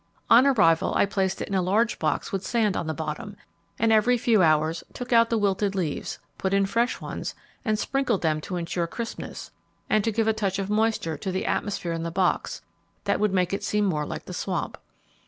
On arrival I placed it in a large box with sand on the bottom, and every few hours took out the wilted leaves, put in fresh ones, and sprinkled them to insure crispness, and to give a touch of moisture to the atmosphere in the box, that would make it seem more like the swamp.